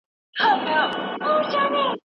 يا الله دا زما هغه قسم وو، چي زما په وسع کي وو.